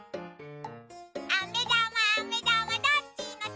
「あめだまあめだまどっちのて」